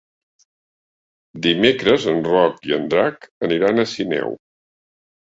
Dimecres en Roc i en Drac aniran a Sineu.